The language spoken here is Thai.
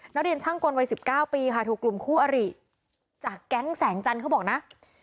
นักเรียนช่างกลวัย๑๙ปีค่ะถูกกลุ่มคู่อริจากแก๊งแสงจันทร์เขาบอกนะ